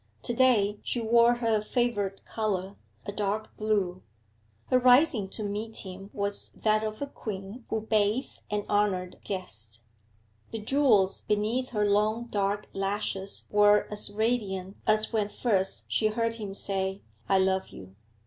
To day she wore her favourite colour, a dark blue. Her rising to meet him was that of a queen who bath an honoured guest. The jewels beneath her long dark lashes were as radiant as when first she heard him say, 'I love you.'